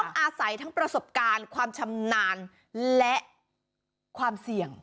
อาศัยทั้งประสบการณ์ความชำนาญและความเสี่ยง